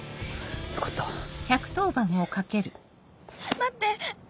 待って！